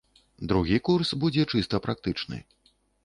Другі курс будзе чыста практычны.